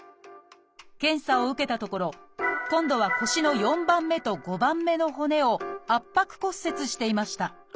検査を受けたところ今度は腰の４番目と５番目の骨を圧迫骨折していました。